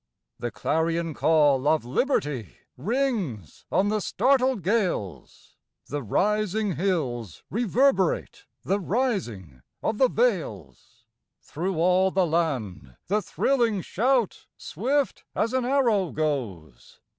The clarion call of liberty Rings on the startled gales! The rising hills reverberate The rising of the vales! Through all the land the thrilling shout Swift as an arrow goes!